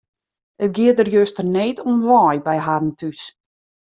It gie der juster need om wei by harren thús.